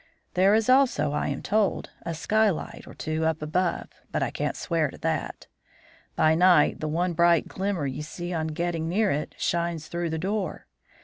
There is also, I am told, a sky light or two up above, but I can't swear to that. By night, the one bright glimmer you see on getting near it shines through the door.